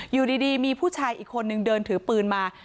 อยู่ดีมีผู้ชายอีกคนนึงเดินถือปืนมา